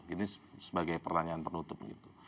ini sebagai pertanyaan penutup